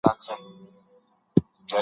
ایا دا وینا د عقل په تله سمه خژي؟